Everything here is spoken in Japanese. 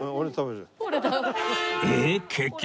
えっ結局？